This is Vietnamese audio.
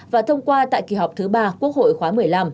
và thông qua tại kỳ họp thứ ba quốc hội khóa một mươi năm